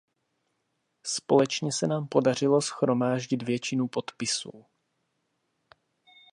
Společně se nám podařilo shromáždit většinu podpisů.